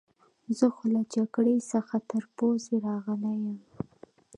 زه خو له جګړې څخه تر پوزې راغلی یم.